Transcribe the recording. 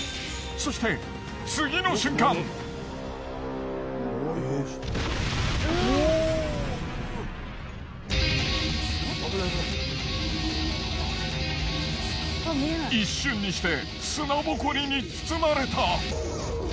そして一瞬にして砂ぼこりに包まれた。